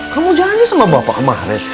kamu jalannya sama bapak kemarin